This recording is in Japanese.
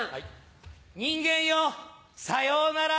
人間よさよなら！